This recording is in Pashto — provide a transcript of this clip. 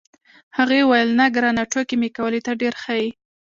هغې وویل: نه، ګرانه، ټوکې مې کولې، ته ډېر ښه یې.